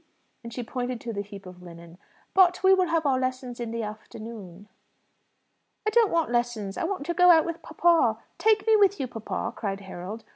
and she pointed to the heap of linen. "But we will have our lessons in the afternoon." "I don't want lessons; I want to go out with papa. Take me with you, papa," cried Harold.